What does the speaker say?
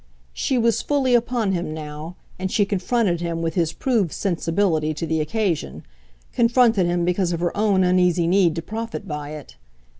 She was fully upon him now, and she confronted him with his proved sensibility to the occasion confronted him because of her own uneasy need to profit by it.